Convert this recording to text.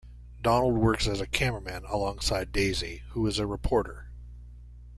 Donald works as a cameraman alongside Daisy, who is a reporter.